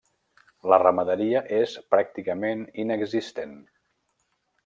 La ramaderia és pràcticament inexistent.